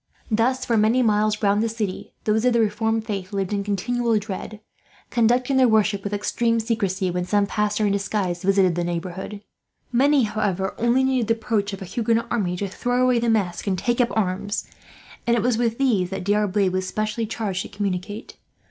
Thus, for many miles round the city, those of the Reformed faith lived in continual dread; conducting their worship with extreme secrecy, when some pastor in disguise visited the neighbourhood, and outwardly conforming to the rites of the Catholic church. Many, however, only needed the approach of a Huguenot army to throw off the mask and take up arms; and it was with these that D'Arblay was specially charged to communicate.